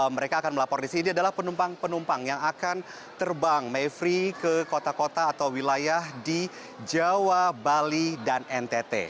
mereka akan melapor di sini adalah penumpang penumpang yang akan terbang mevri ke kota kota atau wilayah di jawa bali dan ntt